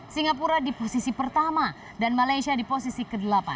singapura di posisi pertama dan malaysia di posisi ke delapan